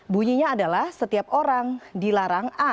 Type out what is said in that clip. bunyinya adalah setiap orang dilarang a